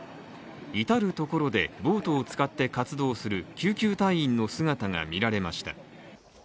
至る所でボートを使って活動する救急隊員の姿が見られました。